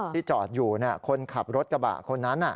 ที่จอดอยู่คนขับรถกระบะคนนั้น